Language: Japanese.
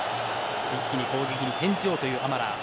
一気に攻撃に転じようというアマラー。